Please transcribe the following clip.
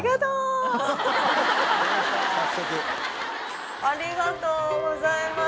早速ありがとうございます